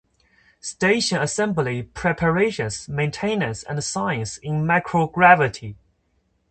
Station assembly preparations, maintenance and science in microgravity.